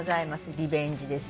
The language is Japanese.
リベンジです。